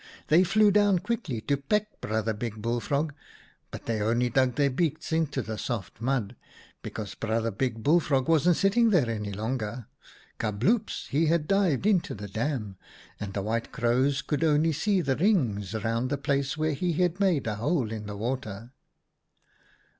They flew down quickly to peck Brother Big Bull frog, but they only dug their beaks into the soft mud, because Brother Big Bullfrog wasn't sitting there any longer. Kabloops ! he had dived into the dam, and the White Crows could only see the rings round the place where he had made a hole in the water.